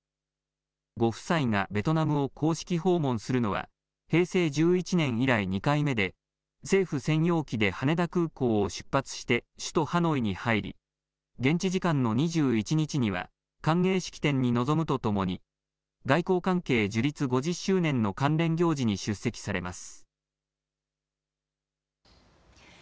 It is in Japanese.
ご夫妻がベトナムを公式訪問するのは平成１１年以来、２回目で政府専用機で羽田空港を出発して首都ハノイに入り、現地時間の２１日には歓迎式典に臨むとともに外交関係樹立５０周年の関連行事に出席されます。